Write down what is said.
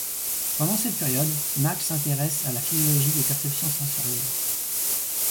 Pendant cette période, Mach s'intéresse à la physiologie des perceptions sensorielles.